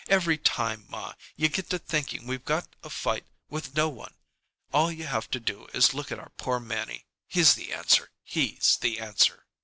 Every time, ma, you get to thinking we've got a fight with no one, all you have to do is look at our poor Mannie. He's the answer. He's the answer."